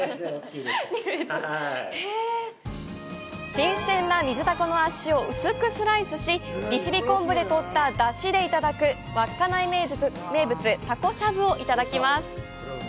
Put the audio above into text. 新鮮な水ダコの足を薄くスライスし利尻昆布で取った出汁でいただく稚内名物タコしゃぶをいただきます！